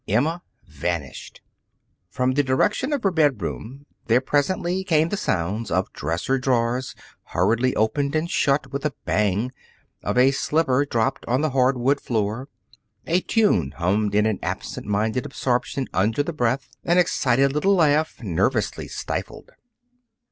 Emma vanished. From the direction of her bedroom there presently came the sounds of dresser drawers hurriedly opened and shut with a bang, of a slipper dropped on the hard wood floor, a tune hummed in an absent minded absorption under the breath, an excited little laugh nervously stifled.